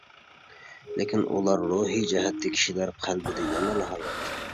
لېكىن ئۇلار روھىي جەھەتتە كىشىلەر قەلبىدە يەنىلا ھايات.